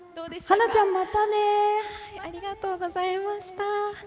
はなちゃん、またね。ありがとうございました。